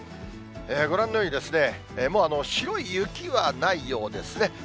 ご覧のように、もう白い雪はないようですね。